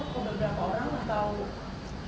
itu sebenarnya untuk beberapa orang atau